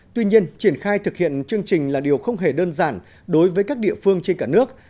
tuy nhiên triển khai thực hiện chương trình là điều không hề đơn giản đối với các địa phương trên cả nước